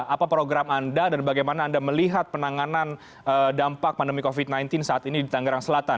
apa program anda dan bagaimana anda melihat penanganan dampak pandemi covid sembilan belas saat ini di tangerang selatan